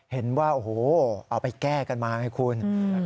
เห็นว่าโอ้โหเอาไปแก้กันมาไงคุณ